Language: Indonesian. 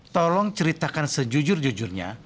tolong ceritakan sejujur jujurnya